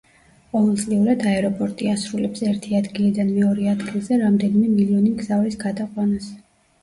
ყოველწლიურად აეროპორტი ასრულებს ერთი ადგილიდან მეორე ადგილზე რამდენიმე მილიონი მგზავრის გადაყვანას.